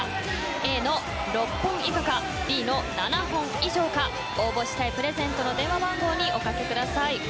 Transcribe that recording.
Ａの６本以下かＢの７本以上か応募したいプレゼントの電話番号におかけください。